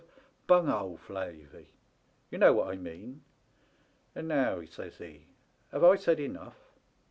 of bimghole flavey. Te know what I mean. And now/ says he, * have I said enough ?